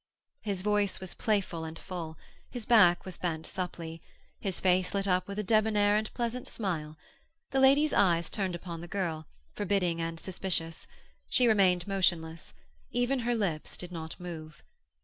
His voice was playful and full; his back was bent supply. His face lit up with a debonnaire and pleasant smile. The lady's eyes turned upon the girl, forbidding and suspicious; she remained motionless, even her lips did not move.